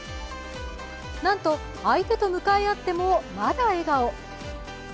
なんと、相手と向かい合ってもまだ笑顔。